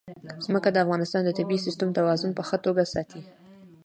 ځمکه د افغانستان د طبعي سیسټم توازن په ښه توګه ساتي.